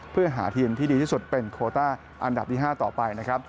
เพื่อหาทีมที่ดีที่สุดเป็นโคต้าอันดับที่๕ต่อไปนะครับ